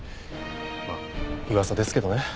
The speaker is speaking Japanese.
まあ噂ですけどね。